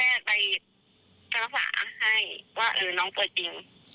ตอนนี้น้องรักษาตัวอยู่คือเราก็มีบรรแพทย์วิทยาลัยความรัก